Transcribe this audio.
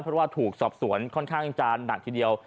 เพราะว่าถูกสอบสวนค่อนข้างจะหนักทีเดียว